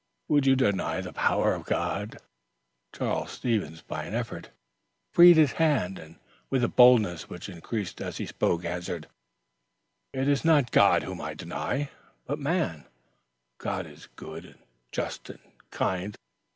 Would you deny the power of God?" Charles Stevens, by an effort, freed his hand and, with a boldness which increased as he spoke, answered: "It is not God whom I deny, but man. God is good and just and kind.